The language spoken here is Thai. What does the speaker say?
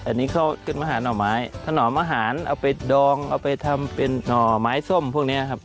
อันนี้เขาขึ้นมาหาหน่อไม้ถนอมอาหารเอาไปดองเอาไปทำเป็นหน่อไม้ส้มพวกนี้ครับ